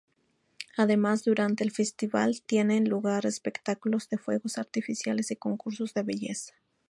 Además, durante el festival, tienen lugar espectáculos de fuegos artificiales y concursos de belleza.